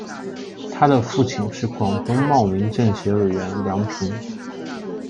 她的父亲是广东茂名政协委员梁平。